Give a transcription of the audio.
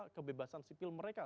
mereka kebebasan sipil mereka